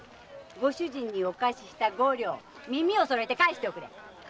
ご主人に貸した五両耳を揃えて返しておくれ！